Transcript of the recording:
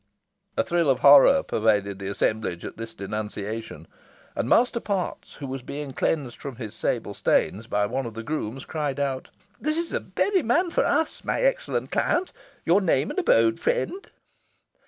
A thrill of horror pervaded the assemblage at this denunciation; and Master Potts, who was being cleansed from his sable stains by one of the grooms, cried out "This is the very man for us, my excellent client. Your name and abode, friend?"